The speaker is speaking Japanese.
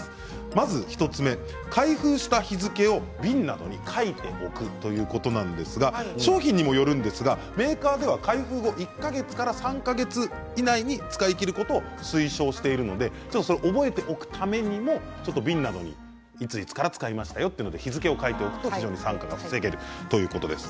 まず１つ目開封した日付を瓶などに書いておくということなんですが商品にもよるんですがメーカーでは開封後１か月から３か月以内に使い切ることを推奨しているので覚えておくためにも瓶などにいついつから使いましたよと日付を書いておくと酸化を防げるということです。